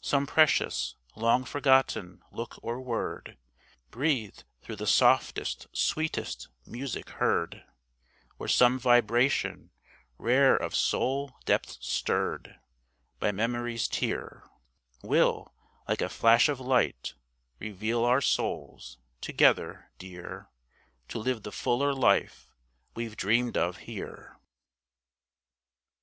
Some precious, long forgotten look or word Breathed through the softest, sweetest music heard, Or some vibration rare of soul depths stirred By memory's tear, Will, like a flash of light, reveal our souls Together, dear, To live the fuller life we've dreamed of here.